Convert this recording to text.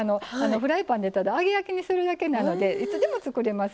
フライパンで揚げ焼きにするだけなのでいつでも作れます。